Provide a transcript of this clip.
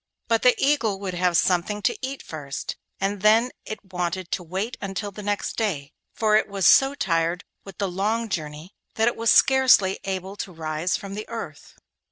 But the eagle would have something to eat first, and then it wanted to wait until the next day, for it was so tired with the long journey that it was scarcely able to rise from the earth.